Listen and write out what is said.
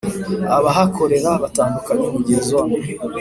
abahakorera batandukanye mu gihe Zone